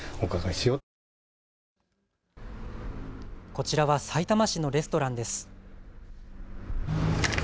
こちらはさいたま市のレストランです。